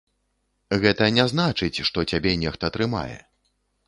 Гэта не значыць, што цябе нехта трымае.